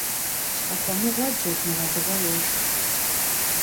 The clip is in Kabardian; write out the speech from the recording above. Щхьэхуэмыгъуэ джэд мыгъэлыгъуэ ешх.